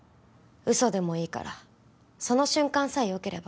嘘でもいいからその瞬間さえよければ